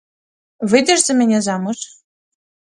Выйдзеш за мяне замуж?